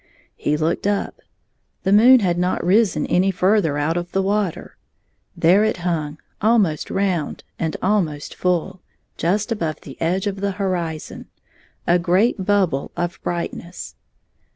He looked up; the moon had not risen any ftirther out of the water. There it hung, almost round and almost ftdl, just above the edge of the horizon — a great bubble of brightness.